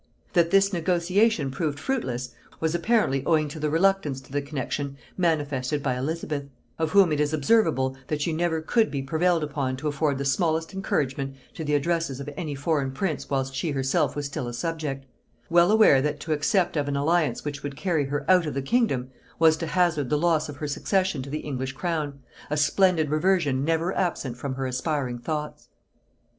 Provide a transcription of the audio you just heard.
That this negotiation proved fruitless, was apparently owing to the reluctance to the connexion manifested by Elizabeth; of whom it is observable, that she never could be prevailed upon to afford the smallest encouragement to the addresses of any foreign prince whilst she herself was still a subject; well aware that to accept of an alliance which would carry her out of the kingdom, was to hazard the loss of her succession to the English crown, a splendid reversion never absent from her aspiring thoughts.